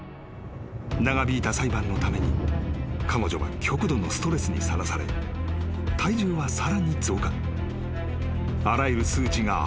［長引いた裁判のために彼女は極度のストレスにさらされ体重はさらに増加］